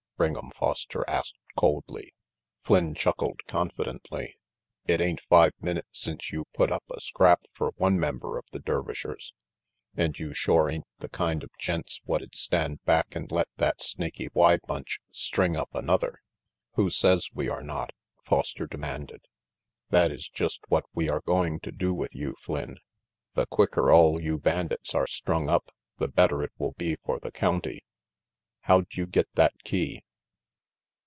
" Ring'em Foster asked coldly. Flynn chuckled confidently. "It ain't five minutes since you put up a scrap RANGY PETE 215 fer one member of the Dervishers, and you shore ain't the kind of gents what'd stand back and let that Snaky Y bunch string up another." " Who says we are not? " Foster demanded. " That is just what we are going to do with you, Flynn. The quicker all you bandits are strung up, the better it will be for the county. How'd you get that key?